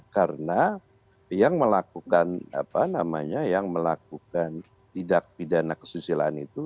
karena yang melakukan apa namanya yang melakukan tindak pidana kesusilaan itu